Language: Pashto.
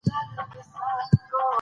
سیاسي اصلاحات دوام غواړي